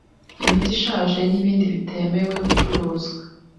imiti ishaje, n’ibindi bitemewe gucuruzwa